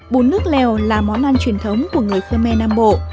bún nước lèo là món ăn truyền thống của người khơ me nam bộ